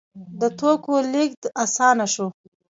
د توکو لیږد اسانه شو.